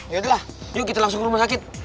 yaudah lah yuk kita langsung ke rumah sakit